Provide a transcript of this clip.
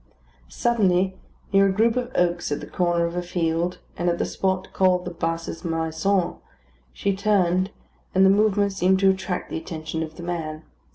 Suddenly, near a group of oaks at the corner of a field, and at the spot called the Basses Maisons, she turned, and the movement seemed to attract the attention of the man.